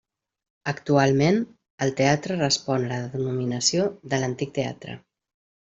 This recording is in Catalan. Actualment, el teatre respon a la denominació de l'Antic Teatre.